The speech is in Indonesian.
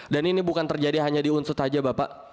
dan ini bukan terjadi hanya di unsur saja bapak